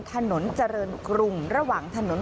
ถนนเจริญกรุงระหว่างถนน